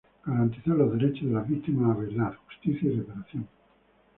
Garantizar los derechos de las víctimas a verdad, justicia y reparación.